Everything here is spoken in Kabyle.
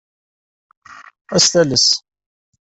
Ad as-tales.